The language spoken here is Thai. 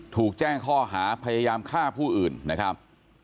ถูกแจ้งข้อหาพยายามฆ่าผู้อื่นนะครับ